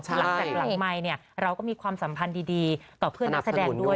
หลังจากหลังไมค์เราก็มีความสัมพันธ์ดีต่อเพื่อนนักแสดงด้วย